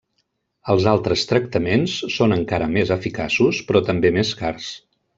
Els altres tractaments són encara més eficaços però també més cars.